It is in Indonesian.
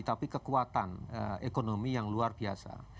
tapi kekuatan ekonomi yang luar biasa